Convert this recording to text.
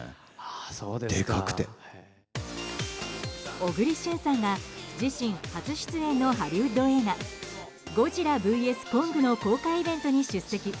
小栗旬さんが自身初出演のハリウッド映画「ゴジラＶＳコング」の公開イベントに出席。